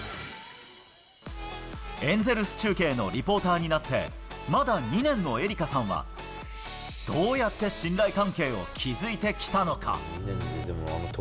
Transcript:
エンゼルス中継のリポーターになって、まだ２年のエリカさんは、どうやって信頼関係を築いてきたのか。